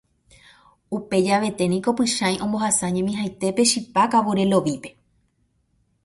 Upe javete niko Pychãi ombohasa ñemihaitépe chipa kavure Lovípe.